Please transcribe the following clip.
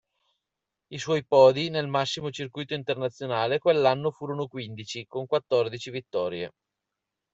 I suoi podi nel massimo circuito internazionale quell'anno furono quindici, con quattordici vittorie.